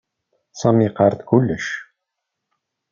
Sami iqarr-d kullec.